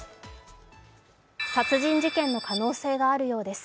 殺人事件の可能性があるようです。